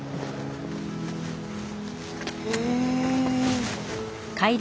へえ。